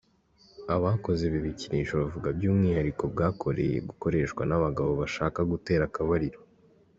Abakoze ibi bikinisho bavuga by’umwihariko bwakoreye gukoreshwa n’abagabo bashaka gutera akabariro.